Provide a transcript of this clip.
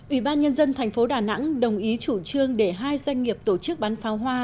ủy ban nhân dân tp đà nẵng đồng ý chủ trương để hai doanh nghiệp tổ chức bán pháo hoa